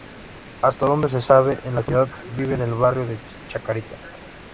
Hasta donde se sabe, en la actualidad vive en el barrio de Chacarita.